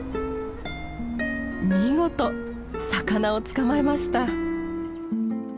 見事魚を捕まえました。